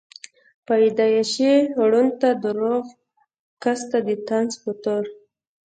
پېدائشي ړوند ته دَروغ کس ته دطنز پۀ طور